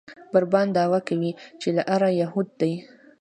بربران دعوه کوي چې له آره یهود دي.